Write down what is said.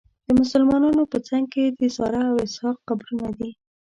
د مسلمانانو په څنګ کې د ساره او اسحاق قبرونه دي.